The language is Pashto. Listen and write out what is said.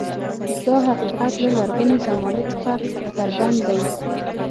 دا حقیقت له لرغونې زمانې څخه څرګند دی.